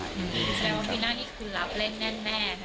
หมายถึงว่าปีหน้านี้คุณรับเล่นแน่นแม่ใช่ไหมครับ